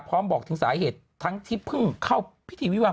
บอกถึงสาเหตุทั้งที่เพิ่งเข้าพิธีวิวา